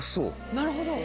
なるほど。